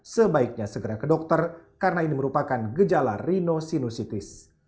sebaiknya segera ke dokter karena ini merupakan gejala rhinosinusitis